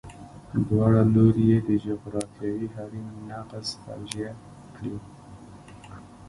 دواړه لوري یې د جغرافیوي حریم نقض توجیه کړي.